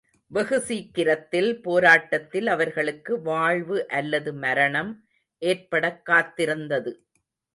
வெகுசீக்கிரத்தில் போராட்டத்தில் அவர்களுக்கு வாழ்வு அல்லது மரணம் ஏற்படக் காத்திருந்தது.